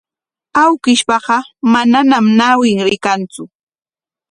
Awkishpaqa manañam ñawin rikantsu.